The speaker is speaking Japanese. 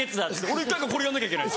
俺一回一回これやんなきゃいけない。